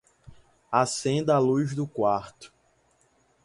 Acenda a luz do quarto